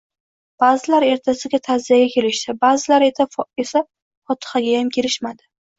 Ba’zilar ertasiga ta’ziyaga kelishdi, ba’zilari esa fotixagayam kelishmadi.